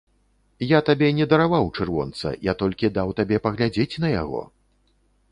Я табе не дараваў чырвонца, я толькі даў табе паглядзець на яго.